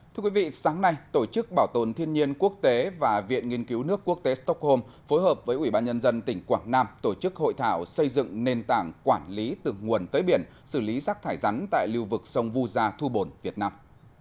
thưa quý vị sáng nay tổ chức bảo tồn thiên nhiên quốc tế và viện nghiên cứu nước quốc tế stockholm phối hợp với ủy ban nhân dân tỉnh quảng nam tổ chức hội thảo xây dựng nền tảng quản lý từ nguồn tới biển xử lý rác thải rắn tại lưu vực sông vu gia thu bồn việt nam